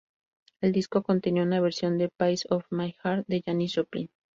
El disco contenía una versión de "Piece of my heart" de Janis Joplin.